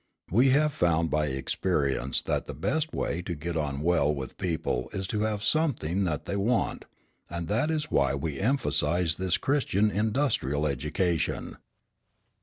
We have found by experience that the best way to get on well with people is to have something that they want, and that is why we emphasise this Christian Industrial Education.